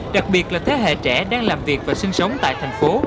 đặc biệt là thế hệ trẻ đang làm việc và sinh sống tại thành phố